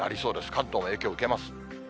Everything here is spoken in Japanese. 関東も影響受けます。